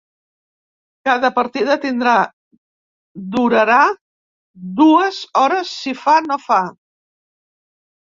Cada partida tindrà durarà dues hores, si fa no fa.